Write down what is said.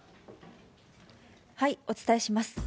お伝えします。